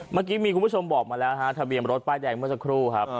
เมื่อกี้มีคุณผู้ชมบอกมาแล้วฮะทะเบียนรถป้ายแดงเมื่อสักครู่ครับ